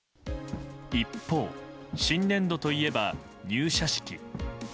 一方、新年度といえば入社式。